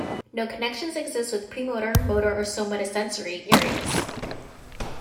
No connections exist with premotor, motor, or somatosensory areas.